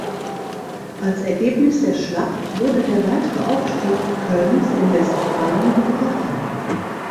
Als Ergebnis der Schlacht wurde der weitere Aufstieg Kölns in Westfalen gebrochen.